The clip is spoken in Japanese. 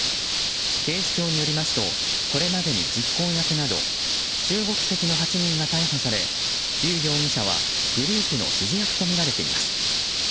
警視庁によりますとこれまでに実行役など中国籍の８人が逮捕されリュウ容疑者はグループの指示役とみられています。